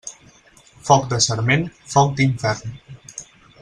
Foc de sarment, foc d'infern.